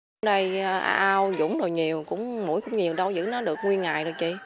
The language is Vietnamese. hôm nay ao dũng đồ nhiều mũi cũng nhiều đau dữ nó được nguyên ngày rồi chị